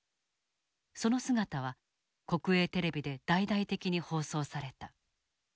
その姿は国営テレビで大々的に放送された。